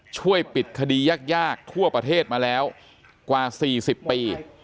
ช่วยปิดคดียากทั่วประเทศมาแล้วกว่า๔๐ปี